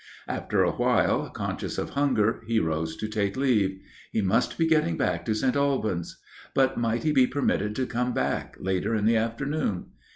After a while, conscious of hunger, he rose to take leave. He must be getting back to St. Albans. But might he be permitted to come back later in the afternoon?